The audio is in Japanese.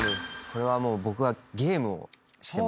これはもう僕はゲームをしてます。